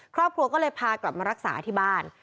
ครอบครัวก็เลยพากลับมารักษาที่บ้าน